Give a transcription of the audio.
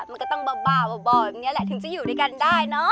มันก็ต้องบ้าบ่อแบบนี้แหละถึงจะอยู่ด้วยกันได้เนอะ